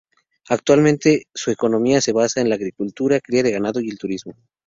Actualmente, su economía se basa en la agricultura, cría de ganado y el turismo.